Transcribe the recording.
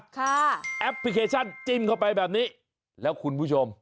แอปพลิเคชันจิ้มเข้าไปแบบนี้แล้วคุณผู้ชม